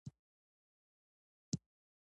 د تور زنګ نښې څه دي؟